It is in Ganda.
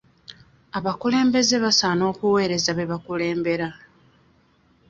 Abakulembeze basaana okuweereza be bakulembera.